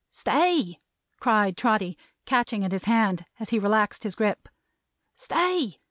"Stay!" cried Trotty, catching at his hand, as he relaxed his grip. "Stay!